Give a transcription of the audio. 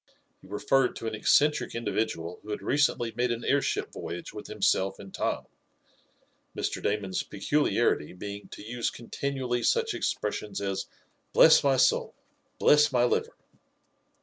He referred to an eccentric individual who had recently made an airship voyage with himself and Tom, Mr. Damon's peculiarity being to use continually such expressions as: "Bless my soul! Bless my liver!"